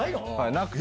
なくて。